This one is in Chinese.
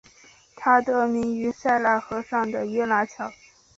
它得名于塞纳河上的耶拿桥。